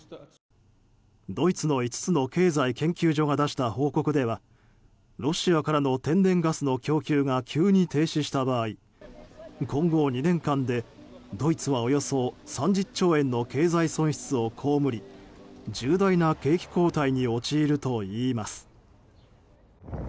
ドイツの５つの経済研究所が出した報告ではロシアからの天然ガスの供給が急に停止した場合今後２年間で、ドイツはおよそ３０兆円の経済損失を被り重大な景気後退に陥るといいます。